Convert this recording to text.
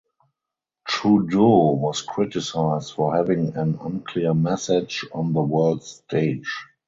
Trudeau was criticized for having an unclear message on the world stage.